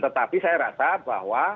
tetapi saya rasa bahwa